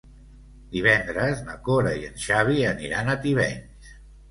Divendres na Cora i en Xavi aniran a Tivenys.